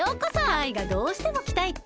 カイがどうしてもきたいって！